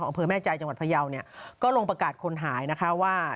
อำเภอแม่ใจจังหวัดพยาวเนี่ยก็ลงประกาศคนหายนะคะว่า